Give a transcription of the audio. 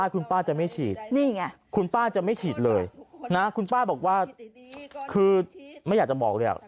คุณป้าจะไม่ฉีดเลยนะคุณป้าบอกว่าคือไม่อยากจะบอกเลยอ่ะ